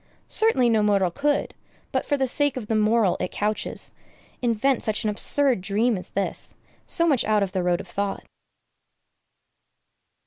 Certainly no mortal could, but for the sake of the moral it couches, invent such an absurd dream as this, so much out of the road of thought!